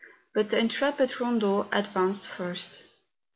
But the intrepid Eondo ad¬ vanced first.